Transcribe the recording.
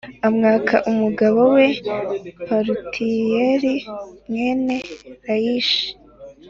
amwaka umugabo we Palutiyeli mwene Layishi.